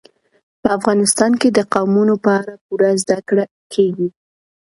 په افغانستان کې د قومونه په اړه پوره زده کړه کېږي.